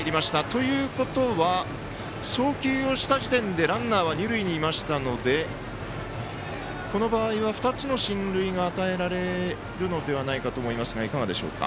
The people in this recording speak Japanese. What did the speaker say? ということは送球した時点でランナーは二塁にいましたのでこの場合は、２つの進塁が与えられるのではないかと思いますがいかがでしょうか。